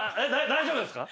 大丈夫ですか？